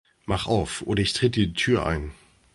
Mach auf oder ich trete die Tür ein!